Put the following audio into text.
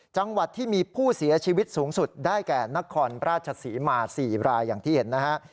จังหวัดที่มีผู้เสียชีวิตสูงสุดได้แก่นครราชศรีมา๔รายอย่างที่เห็นนะฮะ